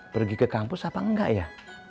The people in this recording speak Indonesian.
pergi ke kampus apa enggak ya